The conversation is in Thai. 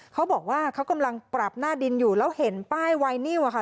เขาบอกว่าเขากำลังปรับหน้าดินอยู่แล้วเห็นป้ายไวนิวอะค่ะ